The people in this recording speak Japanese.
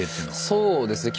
そうですね